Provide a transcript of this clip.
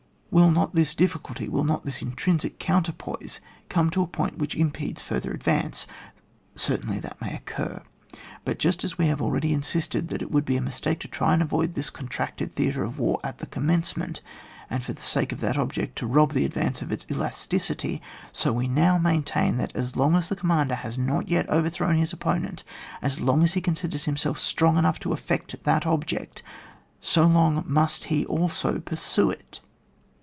Will not this difficulty, will not this intrinsic counterpoise come to a point which im pedes farther advance? Certainly that may occur ; but just as we have already insisted that it would be a mistake to try to avoid this contracted theatre of war at the commencement, and for the sake of that object to rob the advance of its elasticity, so we also now maintain, that as long as the commander has not yet overthrown his opponent, as loi^ as he considers himself strong enough to effect that object, so long must he also pursue it.